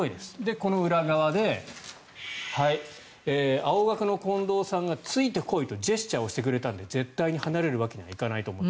この裏側で青学の近藤さんがついてこいとジェスチャーをしてくれたので絶対に離れるわけにはいかないと思った。